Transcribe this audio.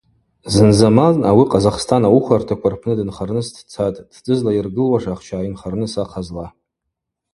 Зынзаман ауи Къазахстан ауыхвартаква рпны дынхарныс дцатӏ, тдзы злайыргылуаш ахча гӏайынхарныс ахъазла.